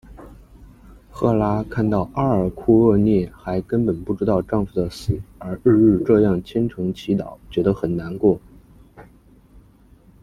赫拉看到阿尔库俄涅还根本不知道丈夫的死而日日这样虔诚祈祷觉得很难过。